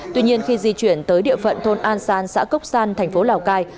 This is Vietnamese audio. tuy nhiên khi di chuyển tới địa phận thôn an san xã cốc san thành phố lào cai